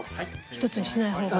ひとつにしない方が？